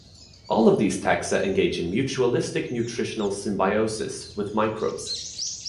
All of these taxa engage in mutualistic nutritional symbioses with microbes.